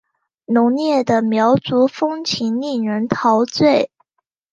浓烈的苗族风情令人陶醉。